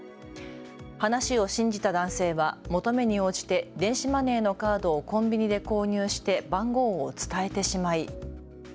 話を信じた男性は求めに応じて電子マネーのカードをコンビニで購入して番号を伝えてしまい。